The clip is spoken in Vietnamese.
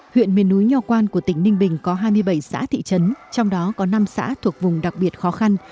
huyện miền núi nho quan của tỉnh ninh bình có hai mươi bảy xã thị trấn trong đó có năm xã thuộc vùng đặc biệt khó khăn